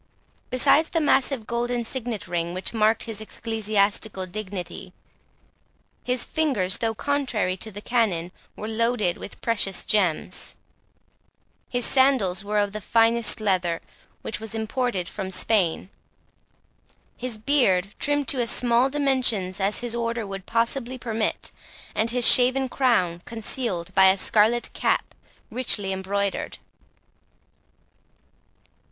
Besides the massive golden signet ring, which marked his ecclesiastical dignity, his fingers, though contrary to the canon, were loaded with precious gems; his sandals were of the finest leather which was imported from Spain; his beard trimmed to as small dimensions as his order would possibly permit, and his shaven crown concealed by a scarlet cap richly embroidered.